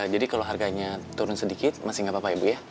jadi kalau harganya turun sedikit masih enggak apa apa ibu ya